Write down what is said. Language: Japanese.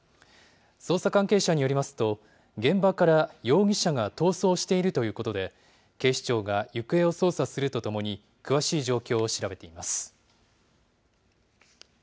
捜査関係者によりますと、現場から容疑者が逃走しているということで、警視庁が行方を捜査するとともに、詳しい状況を調べています。